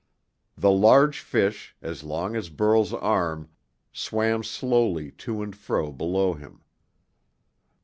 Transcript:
The large fish, as long as Burl's arm, swam slowly to and fro below him.